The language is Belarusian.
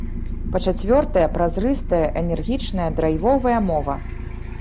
Па-чацвёртае, празрыстая, энергічная, драйвовая мова.